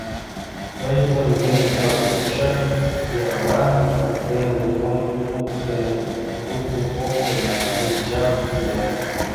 Эльтон ден Баскунчак ерла воктене миллион пуд дене луктын оптымо шинчал кия!